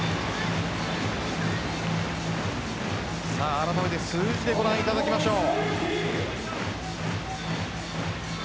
あらためて数字でご覧いただきましょう。